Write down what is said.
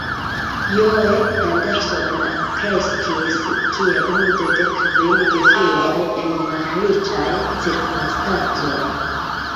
Joe Henderson alkreskis kiel unu de dek kvin gefiloj en malriĉaj cirkonstancoj.